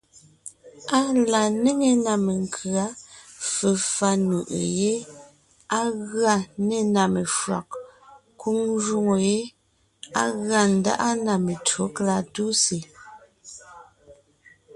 Á la néŋe ná menkʉ̌a, fefà nʉʼʉ yé, á gʉa nê na mefÿàg, kwóŋ jwóŋo yé á gʉa ńdáʼa na metÿǒ kalatúsè.